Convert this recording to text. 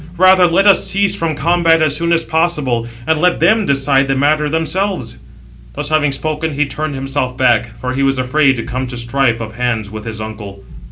Rather let us cease from combat as soon as possible; and let them decide the matter themselves." Thus having spoken, he turned himself back; for he was afraid to come to strife of hands with his uncle.